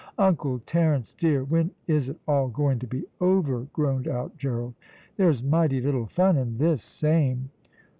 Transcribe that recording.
"Uncle Terence, dear, when is it all going to be over?" groaned out Gerald. "There's mighty little fun in this same."